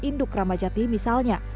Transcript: induk ramadjati misalnya